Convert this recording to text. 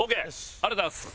ありがとうございます。